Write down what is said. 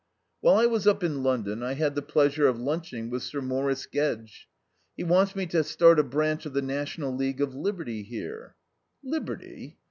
"While I was up in London I had the pleasure of lunching with Sir Maurice Gedge. He wants me to start a branch of the National League of Liberty here." "Liberty?